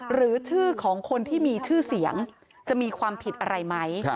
หรือชื่อของคนที่มีชื่อเสียงจะมีความผิดอะไรไหม